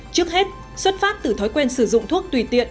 trước hết xuất phát từ thói quen sử dụng thuốc tùy tiện